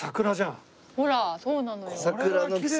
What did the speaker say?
ほらそうなのよ。